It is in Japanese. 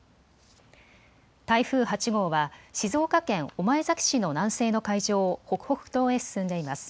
台風８号は静岡県御前崎市の南西の海上を北北東へ進んでいます。